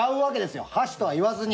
箸とは言わずに。